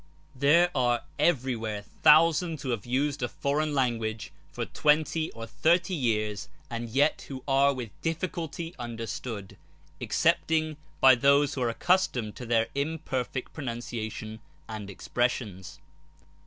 There are everywhere thousands who have used a foreign language for twenty or thirty years, and yet are with difficulty understood, excepting by those who are accustomed to their imperfect pronunciation and expressions.